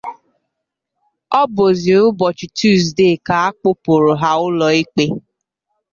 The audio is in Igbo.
Ọ bụzị ụbọchị Tuzdee ka a kpụpụrụ ha ụlọikpe